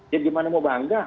jadi gimana mau bangga